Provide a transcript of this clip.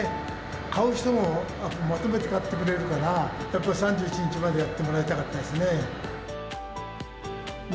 買う人もまとめて買ってくれるから、やっぱり３１日までやってもらいたかったですね。